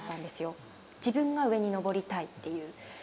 自分が上に登りたいっていう。